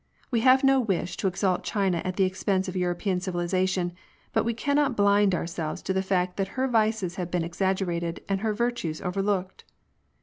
We have no wish to exalt China at the expense of European civilisation, but we cannot blind ourselves to the fact that her vices have been exaggerated, and her virtues overlooked.